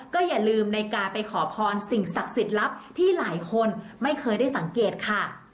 ก็อย่าลืมในการไปขอพรสิ่งศักดิ์สิทธิ์ลับที่หลายคนไม่เคยได้สังเกตค่ะ